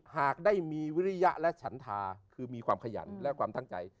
หากได้มีวิริยะและฉันทาคือมีความขยันและความตั้งใจ